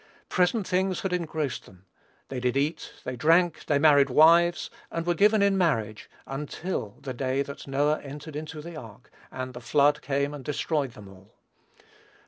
Present things had engrossed them. "They did eat, they drank, they married wives, and were given in marriage, until the day that Noah entered into the ark, and the flood came and destroyed them all."